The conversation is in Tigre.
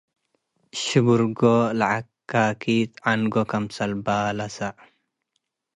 ሽብርጎ ለዐካኪት ዐንጎ ክምሰል ባለሰ